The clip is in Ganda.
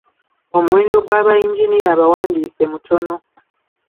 Omuwendo gwa bayinginiya abawandiise mutono.